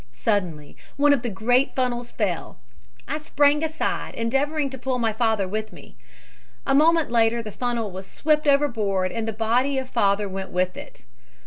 Suddenly one of the great funnels fell. I sprang aside, endeavoring to pull father with me. A moment later the funnel was swept overboard and the body of father went with it.